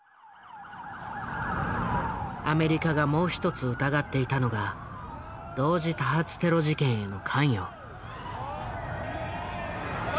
アメリカがもう一つ疑っていたのが同時多発テロ事件への関与。